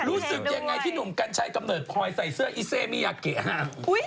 รู้สึกยังไงที่หนุ่มกัญชัยกำเนิดพลอยใส่เสื้ออีเซมียาเกะฮะ